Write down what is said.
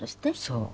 そう。